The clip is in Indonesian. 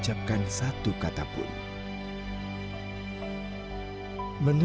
waktu dilahirkan ya